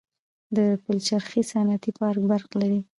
د پلچرخي صنعتي پارک برق لري؟